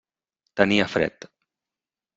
Tenia fred.